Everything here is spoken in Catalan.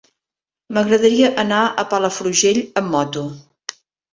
M'agradaria anar a Palafrugell amb moto.